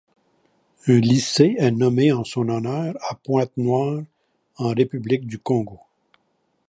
Un lycée est nommé en son honneur à Pointe Noire en République du Congo.